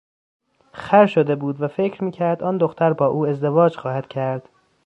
خر شده بود و فکر میکرد آن دختر با او ازدواج خواهد کرد.